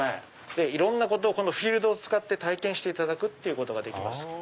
いろんなことフィールドを使って体験していただくことができます。